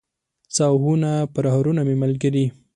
څه آهونه، پرهرونه مې ملګري